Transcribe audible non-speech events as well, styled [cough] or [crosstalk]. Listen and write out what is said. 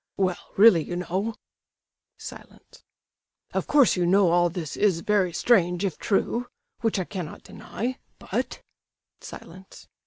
"Well, really, you know"— [silence] —"of course, you know all this is very strange, if true, which I cannot deny; but"—. [silence]